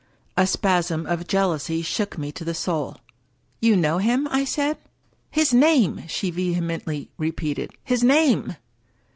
A spasm of jealousy shook me to the soul. "You know him ?" I said. " His name! " she vehemently repeated; " his name!